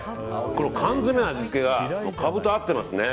缶詰の味付けがカブと合っていますね。